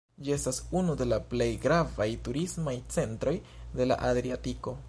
Ĝi estas unu de la plej gravaj turismaj centroj de la Adriatiko.